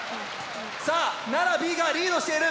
さあ奈良Ｂがリードしている！